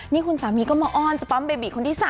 นี่คุณสามีก็มาอ้อนจะปั๊มเบบีคนที่๓